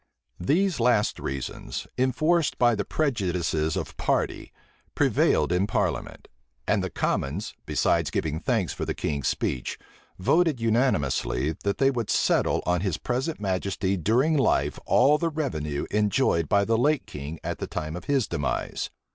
These last reasons, enforced by the prejudices of party, prevailed in parliament; and the common's, besides giving thanks for the king's speech, voted unanimously, that they would settle on his present majesty during life all the revenue enjoyed by the late king at the time of his demise.